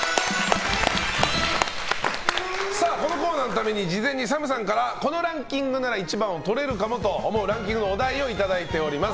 このコーナーのために事前にＳＡＭさんからこのランキングなら自分が１番とれるかもと思うランキングのお題をいただいております。